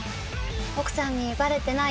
奥さんにバレてない？